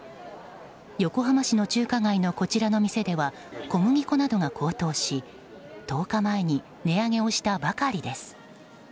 横浜市の中華街のこちらの店では小麦粉などが高騰し１０日前に値上げをしたばかりです。